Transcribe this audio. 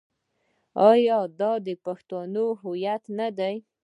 آیا دا د پښتنو هویت نه دی؟